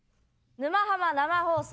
「沼ハマ」生放送。